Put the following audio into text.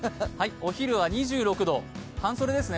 お昼は２６度、半袖ですね。